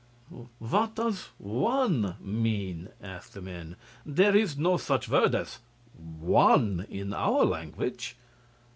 "What does 'one' mean?" asked the men. "There is no such word as 'one' in our language."